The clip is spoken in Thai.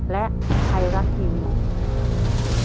และใครรักทีวิว